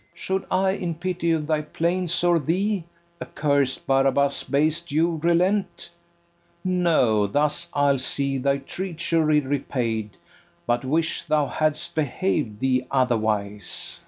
FERNEZE. Should I in pity of thy plaints or thee, Accursed Barabas, base Jew, relent? No, thus I'll see thy treachery repaid, But wish thou hadst behav'd thee otherwise.